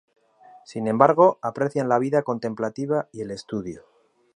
Sin embargo aprecian la vida contemplativa y el estudio.